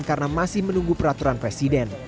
karena masih menunggu peraturan presiden